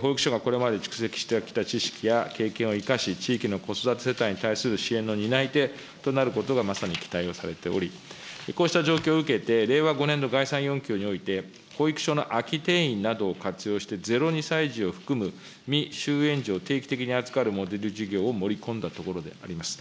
保育所がこれまで蓄積してきた知識や経験を生かし、地域の子育て世帯に対する支援の担い手となることがまさに期待をされており、こうした状況を受けて、令和５年度概算要求において、保育所の空き定員などを活用して、０ー２歳児を含む、未就園児を定期的に預かるモデル事業を盛り込んだところであります。